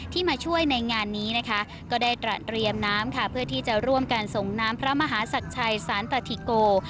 มาช่วยในงานนี้นะคะก็ได้ตระเตรียมน้ำค่ะเพื่อที่จะร่วมกันส่งน้ำพระมหาศักดิ์ชัยสานตธิโก